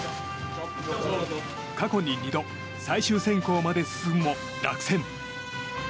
過去に２度最終選考まで進むも、落選。